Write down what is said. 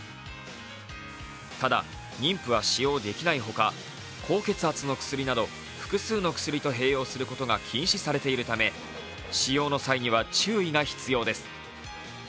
ただ妊婦は使用できないほか、高血圧の薬など複数の薬と併用することが禁止されているため、使用の際には注意が必要です。